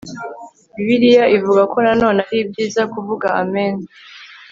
bibiliya ivuga ko nanone ari byiza kuvuga amen